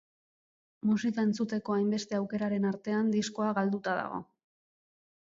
Musika entzuteko hainbeste aukeraren artean, diskoa galduta dago.